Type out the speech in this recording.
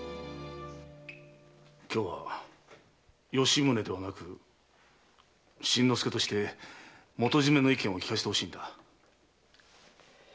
今日は吉宗ではなく新之助として元締の意見を聞かせてほしいんだ。